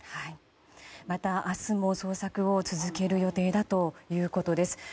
また明日も捜索を続ける予定ということです。